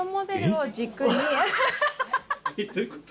えっ？どういうこと？